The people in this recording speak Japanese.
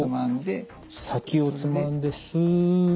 先をつまんでスッ。